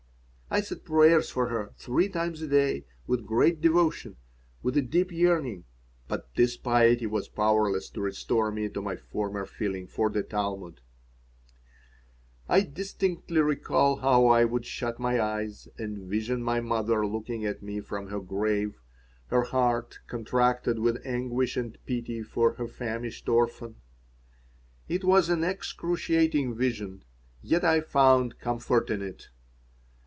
I said prayers for her three times a day with great devotion, with a deep yearning. But this piety was powerless to restore me to my former feeling for the Talmud I distinctly recall how I would shut my eyes and vision my mother looking at me from her grave, her heart contracted with anguish and pity for her famished orphan. It was an excruciating vision, yet I found comfort in it.